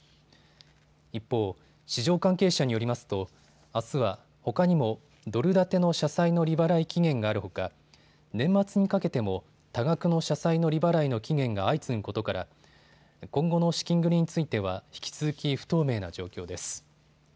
一方、市場関係者によりますとあすは、ほかにもドル建ての社債の利払い期限があるほか年末にかけても多額の社債の利払いの期限が相次ぐことから今後の資金繰りについては引き続き不透明な状況です。